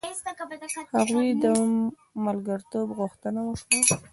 هغوی د ملګرتوب غوښتنه وکړه.